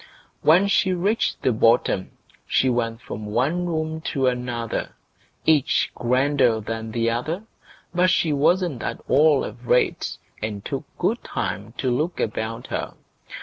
When she reached the bottom she went from one room to another, each grander than the other; but she wasn't at all afraid, and took good time to look about her.